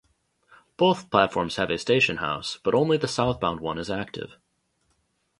Both platforms have a station house, but only the southbound one is active.